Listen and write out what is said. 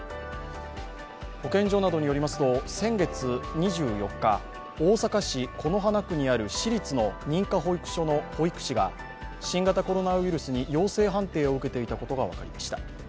保健所などによりますと、先月２４日大阪市此花区にある私立の認可保育所の保育士が新型コロナウイルスに陽性判定を受けていたことが分かりました。